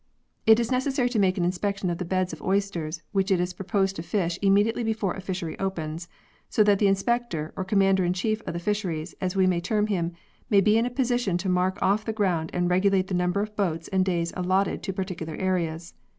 It is necessary to make an inspection of the beds of oysters which it is proposed to fish immediately before a fishery opens, so that the inspector, or commander in chief of the fisheries, as we may term him, may be in a position to mark off the ground and regulate the number of boats and days allotted to particular areas.